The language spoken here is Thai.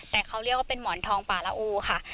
แต่เขาเรียกว่าเป็นหมอนทองป่าละอูค่ะ